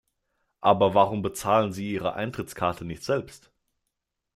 Aber warum bezahlen sie ihre Eintrittskarte nicht selbst?